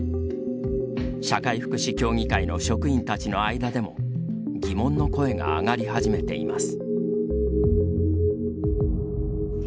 社会福祉協議会の職員たちの間でも疑問の声が上がり始めています。